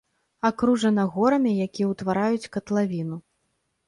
Акружана горамі, якія ўтвараюць катлавіну.